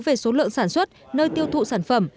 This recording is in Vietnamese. về số lượng sản xuất nơi tiêu thụ sản phẩm